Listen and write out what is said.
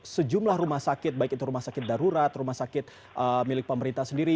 sejumlah rumah sakit baik itu rumah sakit darurat rumah sakit milik pemerintah sendiri